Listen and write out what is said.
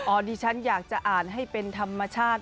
ออดิชนอยากจะอ่านให้เป็นธรรมชาติ